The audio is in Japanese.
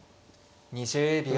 ２０秒。